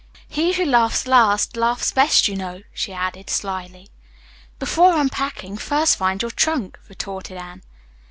"'He who laughs last, laughs best,' you know," she added slyly. "Before unpacking, first find your trunk," retorted Anne.